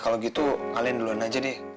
kalau gitu kalian duluan aja deh